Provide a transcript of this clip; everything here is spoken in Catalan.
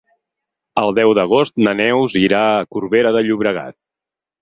El deu d'agost na Neus irà a Corbera de Llobregat.